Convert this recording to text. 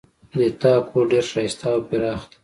د تا کور ډېر ښایسته او پراخ ده